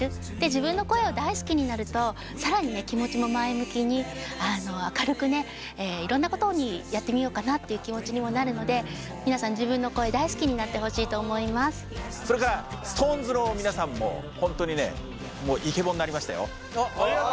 自分の声を大好きになると更に気持ちも前向きに明るくねいろんなことをやってみようかなっていう気持ちにもなるのでそれからＳｉｘＴＯＮＥＳの皆さんも本当にねイケボになりましたよ。